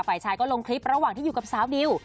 ฝ่ายชายก็ลงคลิประหว่างที่อยู่กับสาวดิว